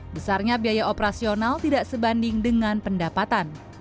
besarnya biaya operasional tidak sebanding dengan pendapatan